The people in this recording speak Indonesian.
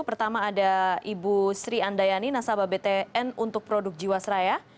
pertama ada ibu sri andayani nasabah btn untuk produk jiwasraya